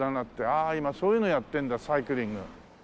ああ今そういうのやってんだサイクリング。